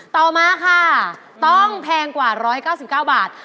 ต่อมาค่ะต้องแพงกว่า๑๙๙บาท